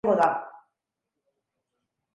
Hainbat zalantza argituko dituen saio bizia izango da.